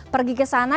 pergi ke sana